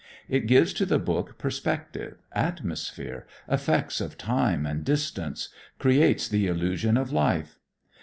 It gives to the book perspective, atmosphere, effects of time and distance, creates the illusion of life.